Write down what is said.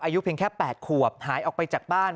อายุเพียงแค่๘ขวบหายออกไปจากบ้าน